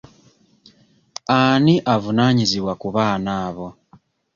Ani avunaanyizibwa ku baana abo?